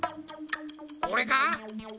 これか？